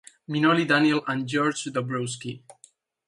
Minoli, Daniel, and George Dobrowski.